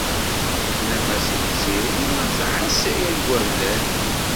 Tennam-as i Tiziri ad tɛass igerdan.